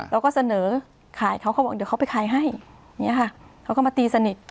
เราก็เสนอขายเขาเขาบอกเดี๋ยวเขาไปขายให้อย่างนี้ค่ะเขาก็มาตีสนิท